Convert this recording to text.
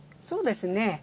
そうですね。